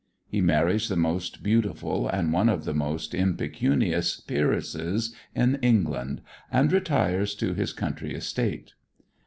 He marries the most beautiful and one of the most impecunious peeresses in England and retires to his country estate.